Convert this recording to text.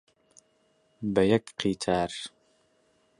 بە یەک قیتار،